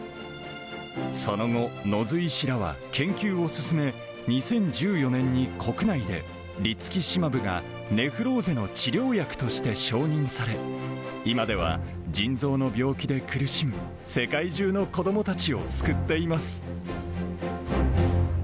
その後、野津医師らは、研究を進め、２０１４年に国内で、リツキシマブがネフローゼの治療薬として承認され、今では腎臓の病気で苦しむ世界中の子どもたちを救っています。